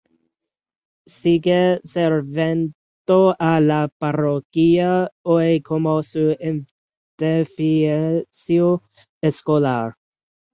Sigue sirviendo a la parroquia hoy como su edificio escolar.